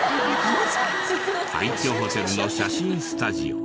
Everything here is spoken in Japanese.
廃虚ホテルの写真スタジオ。